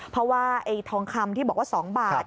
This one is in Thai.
เพราะว่าไอ้ทองคำที่บอกว่า๒บาท